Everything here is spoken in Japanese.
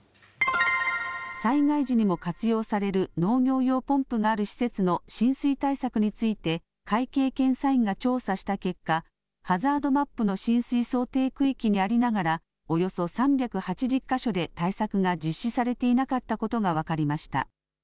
災害時にも活用される農業用ポンプがある施設の浸水対策について、会計検査院が調査した結果、ハザードマップの浸水想定区域にありながら、およそ３８０か所で対策が実施されていなかったことが分かりました。